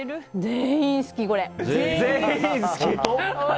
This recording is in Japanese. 全員好き、これ！